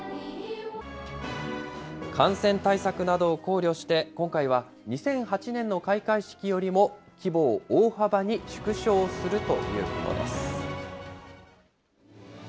感染対策などを考慮して、今回は２００８年の開会式よりも規模を大幅に縮小するということです。